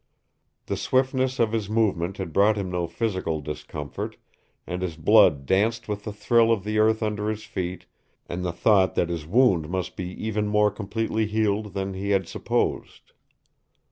The swiftness of his movement had brought him no physical discomfort, and his blood danced with the thrill of the earth under his feet and the thought that his wound must be even more completely healed than he had supposed.